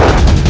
aduh kayak gitu